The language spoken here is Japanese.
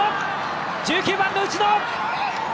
１９番の内野！